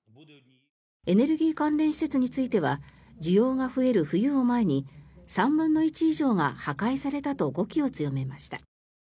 エネルギー関連施設については需要が増える冬を前に３分の１以上が破壊されたと語気を強めました。